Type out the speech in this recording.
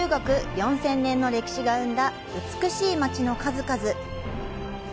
４０００年の歴史が生んだ美しい街の数々。